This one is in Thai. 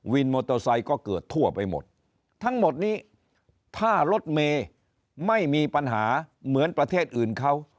มอเตอร์ไซค์ก็เกิดทั่วไปหมดทั้งหมดนี้ถ้ารถเมย์ไม่มีปัญหาเหมือนประเทศอื่นเขา